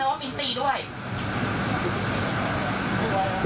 ลูกสาวหลายครั้งแล้วว่าไม่ได้คุยกับแจ๊บเลยลองฟังนะคะ